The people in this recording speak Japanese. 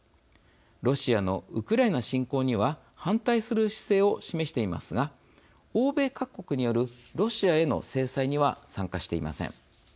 ロシアのウクライナ侵攻には反対する姿勢を示していますが欧米各国によるロシアへの制裁には参加していません。